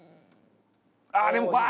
ああでもああー！